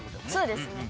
そうですね